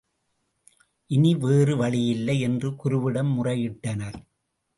இனி வேறு வழியில்லை என்று குருவிடம் முறையிட்டனர்.